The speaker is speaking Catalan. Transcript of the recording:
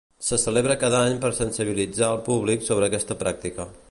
Se celebra cada any per sensibilitzar el públic sobre aquesta pràctica.